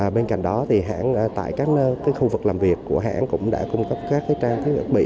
bên cạnh đó hãng tại các khu vực làm việc của hãng cũng đã cung cấp các trang thiết bị